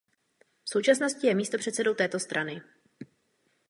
V současnosti je místopředsedou této strany.